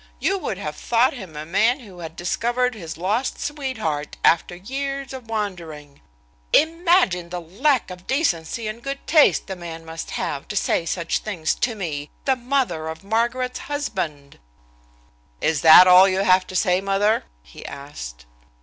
You would have thought him a man who had discovered his lost sweetheart after years of wandering. Imagine the lack of decency and good taste the man must have to say such things to me, the mother of Margaret's husband!" "Is that all you have to say, mother?" he asked.